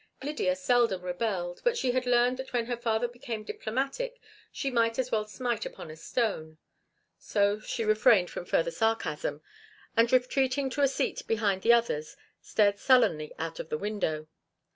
Lydia seldom rebelled, but she had learned that when her father became diplomatic she might as well smite upon stone; so she refrained from further sarcasm, and, retreating to a seat behind the others, stared sullenly out of the window.